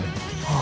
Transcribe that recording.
あ